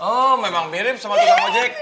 oh memang mirip sama tukang ojek